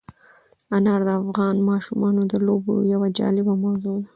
انار د افغان ماشومانو د لوبو یوه جالبه موضوع ده.